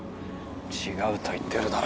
違うと言ってるだろ